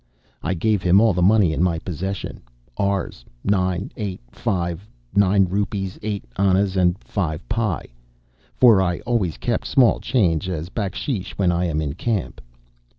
I gave him all the money in my possession, Rs. 9 8 5 nine rupees eight annas and five pie for I always keep small change as bakshish when I am in camp.